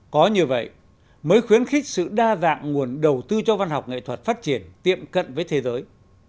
có như vậy mới khuyến khích sự đa dạng nguồn đầu tư cho văn học nghệ thuật phát triển tiệm cận với thế giới